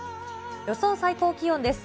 予想最高気温です。